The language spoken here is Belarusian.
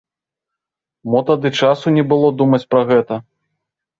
Мо тады часу не было думаць пра гэта?